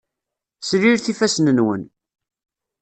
Slilet ifassen-nwen.